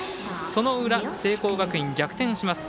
その裏、聖光学院、逆転します。